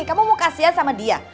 kamu mau kasihan sama dia